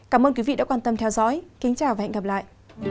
cảm ơn quý vị đã quan tâm theo dõi kính chào và hẹn gặp lại